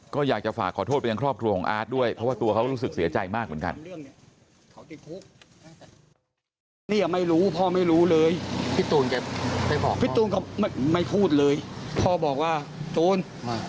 ก็อยากจะฝากขอโทษไปยังครอบครัวของอาร์ตด้วยเพราะว่าตัวเขารู้สึกเสียใจมากเหมือนกัน